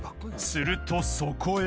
［するとそこへ］